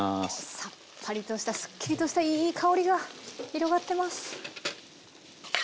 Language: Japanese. さっぱりとしたすっきりとしたいい香りが広がってます。